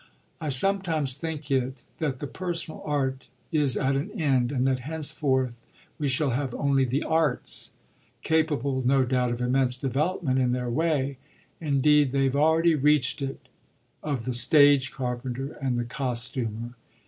"I sometimes think it that the personal art is at an end and that henceforth we shall have only the arts, capable no doubt of immense development in their way indeed they've already reached it of the stage carpenter and the costumer.